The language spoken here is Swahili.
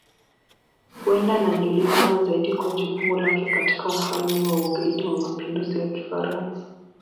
Huenda anajulikana zaidi kwa jukumu lake katika Ufalme wa Ugaidi wa Mapinduzi ya Kifaransa.